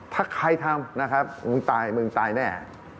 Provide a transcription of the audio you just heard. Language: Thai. ถ้าใครทำนะครับมึงตายมึงตายแน่